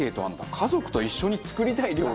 「家族と一緒に作りたい料理」って。